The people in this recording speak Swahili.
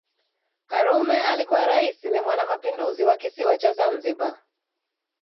Karume alikuwa rais na mwanamapinduzi wa kisiwa cha Zanzibar